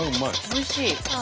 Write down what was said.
おいしい。